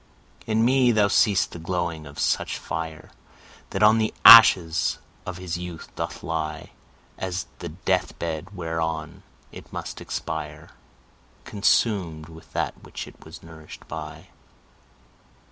In me thou see'st the glowing of such fire, That on the ashes of his youth doth lie, As the death bed, whereon it must expire, Consum'd with that which it was nourish'd by.